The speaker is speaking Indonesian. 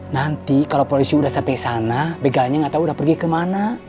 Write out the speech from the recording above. nanti kalo polisi udah sampe sana begalnya gak tau udah pergi kemana